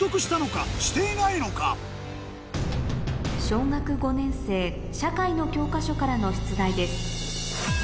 小学５年生社会の教科書からの出題です